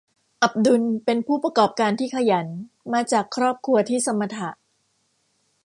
อับดุลเป็นผู้ประกอบการที่ขยัน มาจากครอบครัวที่สมถะ